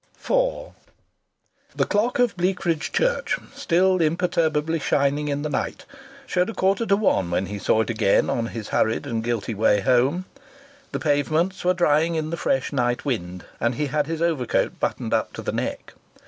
IV The clock of Bleakridge Church, still imperturbably shining in the night, showed a quarter to one when he saw it again on his hurried and guilty way home. The pavements were drying in the fresh night wind and he had his overcoat buttoned up to the neck.